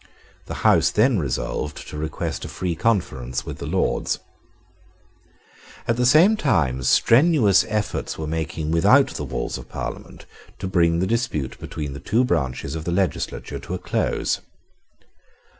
The House then resolved to request a free conference with the Lords. At the same time strenuous efforts were making without the walls of Parliament to bring the dispute between the two branches of the legislature to a close.